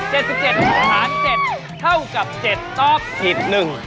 ๗๗หาร๗เท่ากับ๗ตอบผิด๑